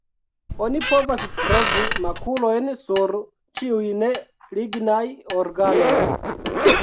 Oni povas trovi makulojn sur ĉiuj ne lignaj organoj.